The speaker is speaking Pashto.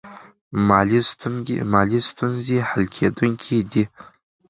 مالي ستونزې حل کیدونکې دي.